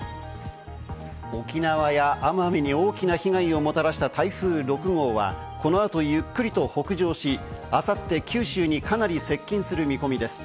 沖縄や奄美に大きな被害をもたらした台風６号はこの後ゆっくりと北上し、あさって九州に、かなり接近する見込みです。